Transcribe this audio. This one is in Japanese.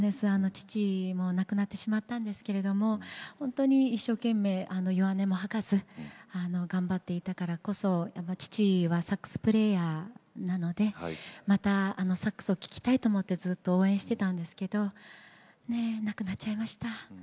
父親は亡くなってしまったんですけれど本当に一生懸命、弱音も吐かず頑張っていたからこそ父はサックスプレーヤーなのでまたサックスを聴きたいと思ってずっと応援していたんですけれど亡くなってしまいました。